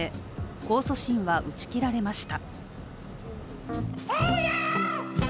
控訴審は打ち切られました。